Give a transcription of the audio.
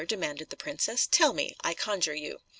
demanded the princess; "tell me, I conjure you.